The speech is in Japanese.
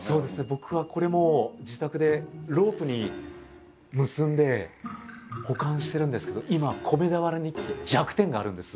僕はこれも自宅でロープに結んで保管してるんですけど今米俵日記弱点があるんです。